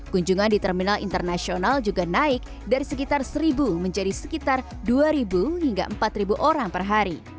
kunjungan di terminal internasional juga naik dari sekitar seribu menjadi sekitar dua hingga empat orang per hari